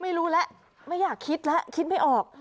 ไม่รู้แล้วไม่อยากคิดแล้วคิดไม่ออก